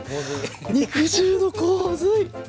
肉汁の洪水！